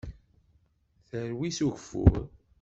Terwi s ugeffur.